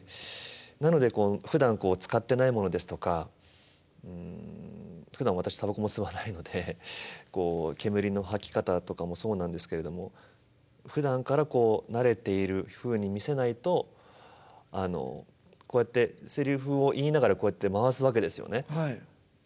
なのでふだん使ってないものですとかうんふだん私たばこも吸わないのでこう煙の吐き方とかもそうなんですけれどもふだんからこう慣れているふうに見せないとこうやってセリフを言いながらこうやって回すわけですよね。